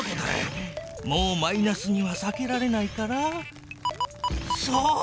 もうマイナスにはさけられないからそう！